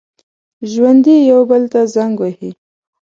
ژوندي یو بل ته زنګ وهي